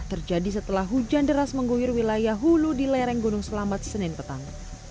terjadi setelah hujan deras mengguyur wilayah hulu di lereng gunung selamat senin petang